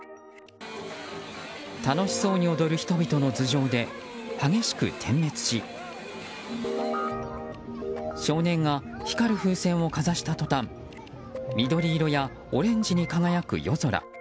楽しそうに踊る人々の頭上で激しく点滅し少年が、光る風船をかざした途端緑色やオレンジに輝く夜空。